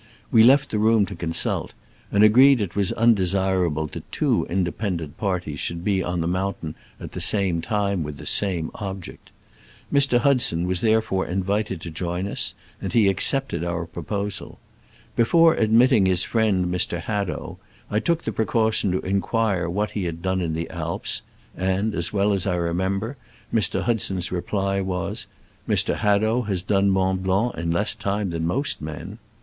We left the room to consult, and agreed it ,nr.i;r,^t5^Googk £50 SCRAMBLES AMONGST THE ALPS IN i86o '69. was undesirable that two independent parties should be on the mountain at the same time with the same object. Mr. Hudson was therefore invited to join us, and he accepted our proposal. Before admitting his friend, Mr. Hadow, I took the precaution to inquire what he had done in the Alps, and, as well as I re member, Mr. Hudson's reply was, * Mr. Hadow has done Mont Blanc in less time than most men."